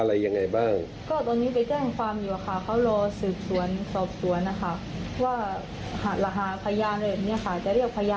ว่ารหาพยานแบบนี้ค่ะจะเรียกพยานไปสอบปากคำทีละคุณเลยค่ะ